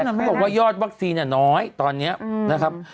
เขาบอกว่ายอดวัคซีนน้อยตอนนี้นะครับ